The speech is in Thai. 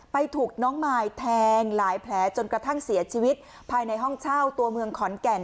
ถูกน้องมายแทงหลายแผลจนกระทั่งเสียชีวิตภายในห้องเช่าตัวเมืองขอนแก่น